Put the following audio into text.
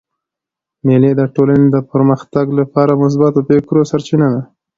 مېلې د ټولني د پرمختګ له پاره د مثبتو فکرو سرچینه ده.